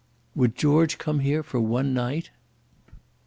"Would George come here for one night."